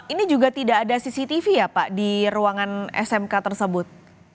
ini juga tidak ada cctv ya pak di ruangan smk tersebut